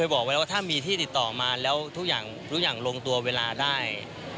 บอกว่าถ้ามีที่ติดต่อมาแล้วทุกอย่างลงตัวเวลาได้